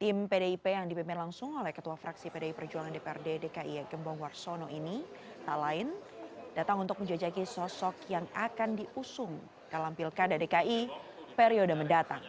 tim pdip yang dipimpin langsung oleh ketua fraksi pdi perjuangan dprd dki gembong warsono ini tak lain datang untuk menjajaki sosok yang akan diusung dalam pilkada dki periode mendatang